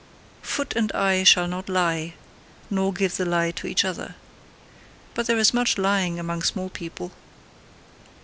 Foot and eye shall not lie, nor give the lie to each other. But there is much lying among small people.